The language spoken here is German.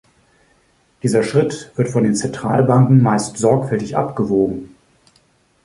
Dieser Schritt wird von den Zentralbanken meist sorgfältig abgewogen.